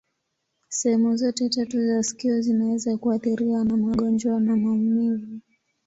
Sehemu zote tatu za sikio zinaweza kuathiriwa na magonjwa na maumivu.